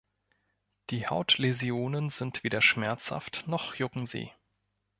Die Hautläsionen sind weder schmerzhaft, noch jucken sie.